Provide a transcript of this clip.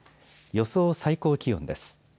予想最高気温です。